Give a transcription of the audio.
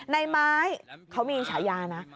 ในไม้เขามีฉายานะ